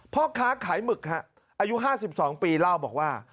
พ่อค้าขายหมึกอายุ๕๒ปีเล่าบอกว่า